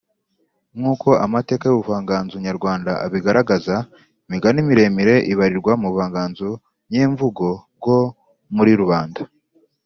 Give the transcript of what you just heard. Nk’uko amateka y’ubuvanganzo nyarwanda abigaragaza, imigani miremire ibarirwa mu buvanganzo nyemvugo bwo muri rubanda